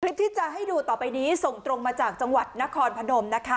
คลิปที่จะให้ดูต่อไปนี้ส่งตรงมาจากจังหวัดนครพนมนะคะ